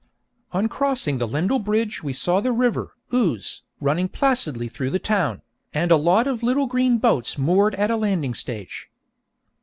On crossing Lendal Bridge we saw the river Ouse running placidly through the town, and a lot of little green boats moored at a landing stage.